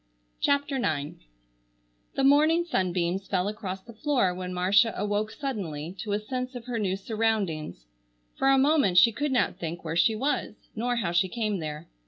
CHAPTER IX The morning sunbeams fell across the floor when Marcia awoke suddenly to a sense of her new surroundings. For a moment she could not think where she was nor how she came there.